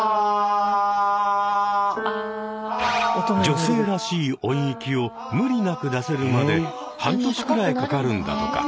女性らしい音域を無理なく出せるまで半年くらいかかるんだとか。